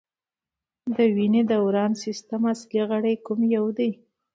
د وینې دوران سیستم اصلي غړی کوم یو دی